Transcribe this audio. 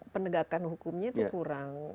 pendekatan hukumnya itu kurang